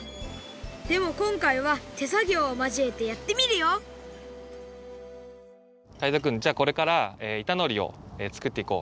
でもこんかいはてさぎょうをまじえてやってみるよタイゾウくんじゃあこれからいたのりをつくっていこう。